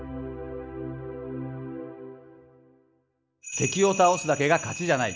敵を倒すだけが勝ちじゃない。